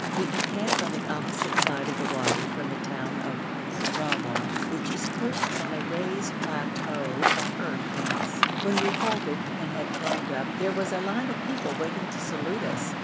We encamped on the opposite side of the wadi from the town of Arrawa, which is perched on a raised plateau of earth banks. When we halted, and had climbed up, there was a line of people waiting to salute us.